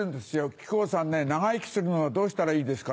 「木久扇さんね長生きするのはどうしたらいいですか」